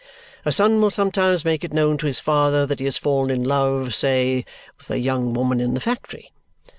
A son will sometimes make it known to his father that he has fallen in love, say, with a young woman in the factory.